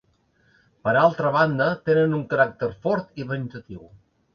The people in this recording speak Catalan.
Per altra banda, tenen un caràcter fort i venjatiu.